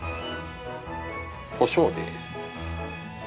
こしょうです。